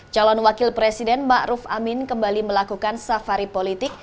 calon wakil presiden ma'ruf amin kembali melakukan safari politik